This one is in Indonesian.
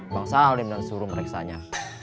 bang salim dan suruh mereksanya